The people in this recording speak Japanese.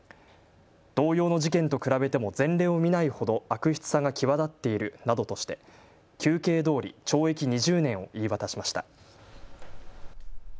同様の事件と比べても前例を見ないほど悪質さが際立っているなどとして求刑どおり懲役２０年を言い渡しました。